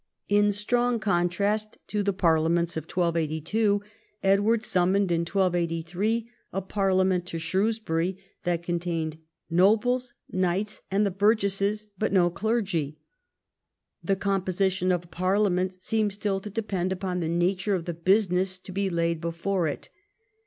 In strong contrast to the parliaments of 1282, Edward summoned in 1283 a par liament to Shrewsbury that contained nobles, knights, and burgesses, but no clergy. The composition of a parliament seemed still to depend upon the nature of the business to be laid before it.